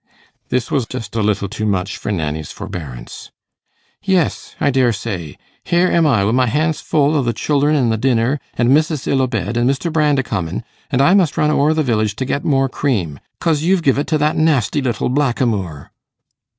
This was just a little too much for Nanny's forbearance. 'Yes, I dare say. Here am I wi' my hands full o' the children an' the dinner, and missis ill a bed, and Mr. Brand a comin'; and I must run o'er the village to get more cream, 'cause you've give it to that nasty little blackamoor.